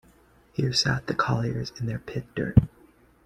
Here sat the colliers in their pit-dirt.